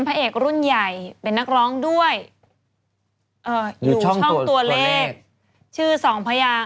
พระเอกรุ่นใหญ่เป็นนักร้องด้วยเอ่ออยู่ช่องตัวเลขชื่อสองพยาง